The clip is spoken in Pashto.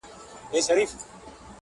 خوب مي دی لیدلی جهاني ریشتیا دي نه سي!.